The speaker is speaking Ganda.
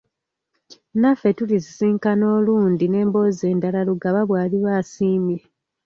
Naffe tulisisinkana olundi n'emboozi endala Lugaba bw'aliba asiimye.